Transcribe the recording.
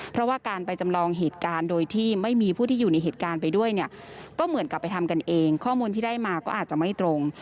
เพราะว่าการไปจำลองเหตุการณ์โดยที่ไม่มีผู้ที่อยู่ในเหตุการณ์ไปด้วยเนี่ยก็เหมือนกับไปทำกันเองข้อมูลที่ได้มาก็อาจจะไม่ตรง